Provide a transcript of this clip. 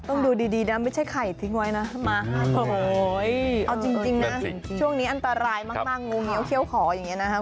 ต้องดูดีนะไม่ใช่ไข่ทิ้งไว้นะโอ้โหเอาจริงนะช่วงนี้อันตรายมากงูเงี้ยเขี้ยวขออย่างนี้นะครับ